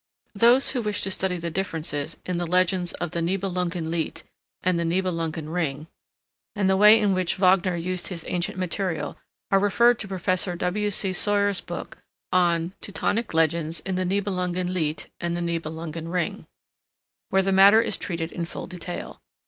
Those who wish to study the differences in the legends of the Nibelungen Lied and the Nibelungen Ring, and the way in which Wagner used his ancient material, are referred to Professor W. C. Sawyer's book on "Teutonic Legends in the Nibelungen Lied and the Nibelungen Ring," where the matter is treated in full detail.